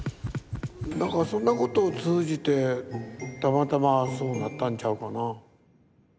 だからそんなことを通じてたまたまそうなったんちゃうかな。